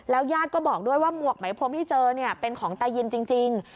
แล้วยาดก็บอกด้วยว่าหมวกไหมพรมที่เจอเนี้ยเป็นของตายินจริงจริง